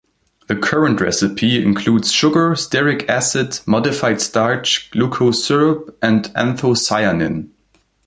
The current recipe includes sugar, stearic acid, modified starch, glucose syrup, and anthocyanin.